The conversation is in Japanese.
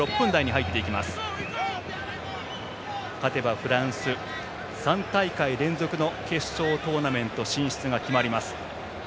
勝てばフランス３大会連続の決勝トーナメント進出が決まります。